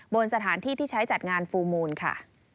บนสถานที่ที่ใช้จัดงานฟูลมูลค่ะ